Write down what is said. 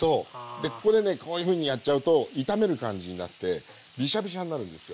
でここでねこういうふうにやっちゃうと炒める感じになってビシャビシャになるんですよ。